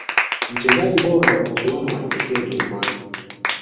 mchezaji bora wa michuano alitokea ujerumani